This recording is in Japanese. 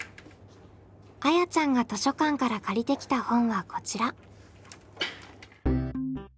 あやちゃんが図書館から借りてきた本はこちら。